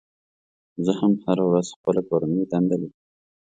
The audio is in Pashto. زه هم هره ورځ خپله کورنۍ دنده لیکم.